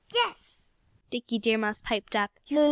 "Yes!" Dickie Deer Mouse piped up.